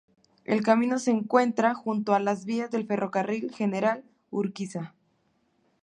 El camino se encuentra junto a las vías del Ferrocarril General Urquiza.